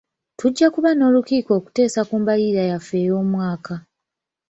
Tujja kuba n'olukiiko okuteesa ku mbalirira yaffe ey'omwaka.